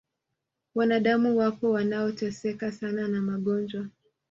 wanadamu wapo wanaoteseka sana na magonjwa